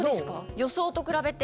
予想と比べて。